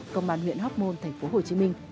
công an huyện hóc môn thành phố hồ chí minh